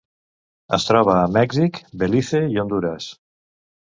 Es troba a Mèxic, Belize i Hondures.